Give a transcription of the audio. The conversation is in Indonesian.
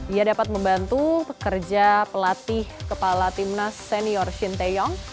ia dapat membantu pekerja pelatih kepala timnas senior shin taeyong